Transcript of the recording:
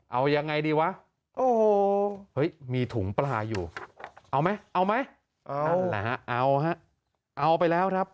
เอายังไงดีวะเฮ้ยมีถุงปลาอยู่เอาไหมเอาไหมเอาหรหะเอาป่ะแล้วครับ